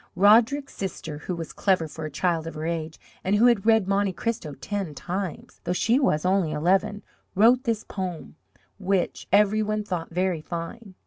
Roderick's sister, who was clever for a child of her age, and who had read Monte Cristo ten times, though she was only eleven, wrote this poem, which every one thought very fine.